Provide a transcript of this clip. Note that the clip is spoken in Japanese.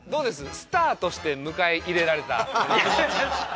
スタアとして迎え入れられたお気持ち。